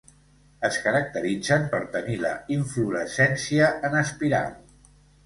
Es caracteritzen per tenir la inflorescència en espiral.